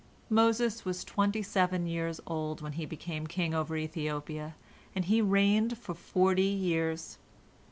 Moses was twenty seven years old when he became king over Ethiopia, and he reigned for forty years.